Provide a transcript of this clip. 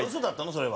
それは。